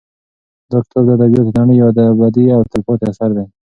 دا کتاب د ادبیاتو د نړۍ یو ابدي او تلپاتې اثر دی.